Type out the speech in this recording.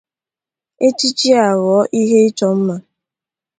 echichi aghọọ ihe ịchọ mma